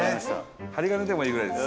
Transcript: ハリガネでもいいぐらいです。